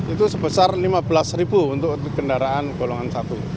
itu sebesar rp lima belas untuk kendaraan golongan satu